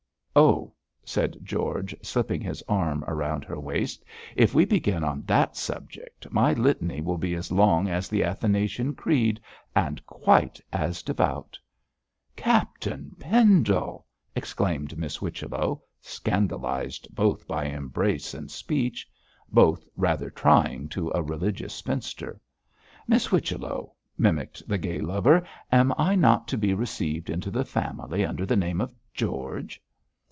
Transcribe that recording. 'Oh!' said George, slipping his arm round her waist, 'if we begin on that subject, my litany will be as long as the Athanasian Creed, and quite as devout.' 'Captain Pendle!' exclaimed Miss Whichello, scandalised both by embrace and speech both rather trying to a religious spinster. 'Miss Whichello,' mimicked the gay lover, 'am I not to be received into the family under the name of George?'